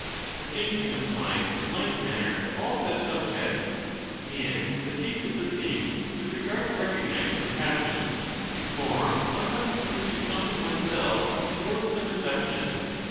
^ The same thing applies in like manner to all such subjects. And the case is the same with regard to recognizing the passions. For one must contribute something oneself to 30 wards the perception.